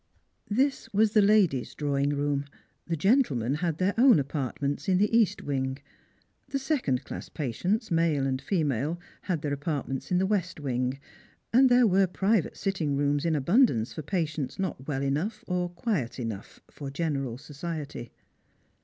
This was the ladies' drawing room ; the gentlemen had their own apartments in the east wing. The second class patients, male and female, had their apartments in the west wing ; and there were private sitting rooms in abundance for patients not well enough or quiet enough for general society.